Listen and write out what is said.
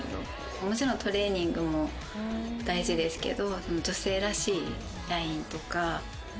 もちろんトレーニングも大事ですけど。